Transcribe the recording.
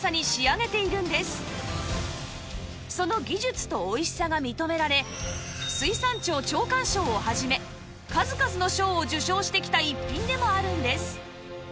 その技術とおいしさが認められ水産庁長官賞を始め数々の賞を受賞してきた逸品でもあるんです